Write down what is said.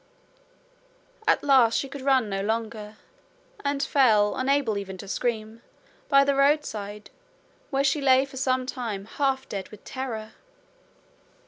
At last she could run no longer, and fell, unable even to scream, by the roadside, where she lay for some time half dead with terror.